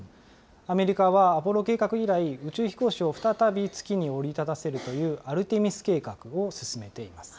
アメリカはアポロ計画以来、宇宙飛行士を再び月に降り立たせるというアルテミス計画を進めています。